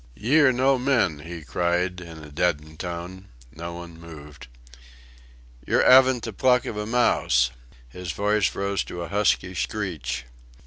"Ye're no men!" he cried, in a deadened tone. No one moved. "Yer 'aven't the pluck of a mouse!" His voice rose to a husky screech.